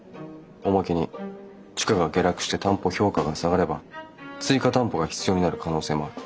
おまけに地価が下落して担保評価が下がれば追加担保が必要になる可能性もある。